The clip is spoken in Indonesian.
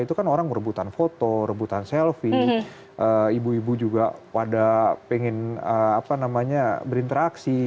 itu kan orang rebutan foto rebutan selfie ibu ibu juga pada pengen berinteraksi